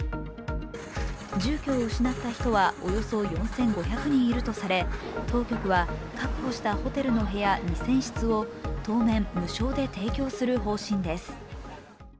住居を失った人は、およそ４５００人いるとされ当局は確保したホテルの部屋２０００室を当面、無償で提供する方針です。